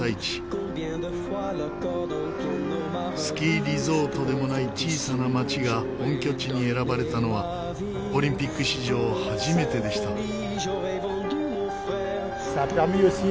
スキーリゾートでもない小さな町が本拠地に選ばれたのはオリンピック史上初めてでした。